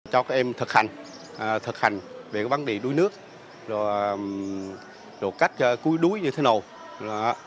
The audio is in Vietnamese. cho các em thực hành thực hành về vấn đề đuối nước rồi cách cuối đuối như thế nào